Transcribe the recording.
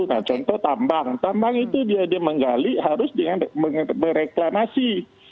nah contoh tambang tambang itu dia menggali harus dengan mereklamasi